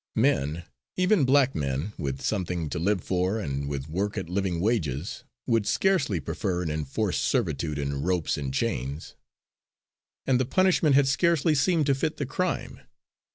Men, even black men, with something to live for, and with work at living wages, would scarcely prefer an enforced servitude in ropes and chains. And the punishment had scarcely seemed to fit the crime.